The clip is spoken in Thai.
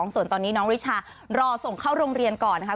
ส่วนตอนนี้น้องริชารอส่งเข้าโรงเรียนก่อนนะคะ